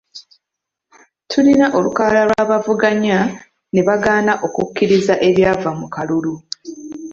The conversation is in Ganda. Tulina olukalala lw'abaavuganya ne bagaana okukkiriza ebyava mu kalulu